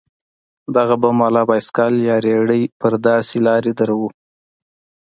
دغه بم والا بايسېکل يا رېړۍ پر داسې لارو دروو.